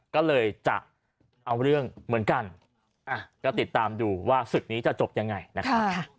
ก็เลยจะเอาเรื่องเหมือนกันก็ติดตามดูว่าศึกนี้จะจบยังไงนะครับ